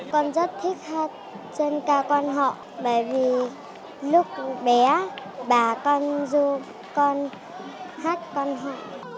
con rất thích hát dân ca quan họ bởi vì lúc bé bà con du con hát quan họ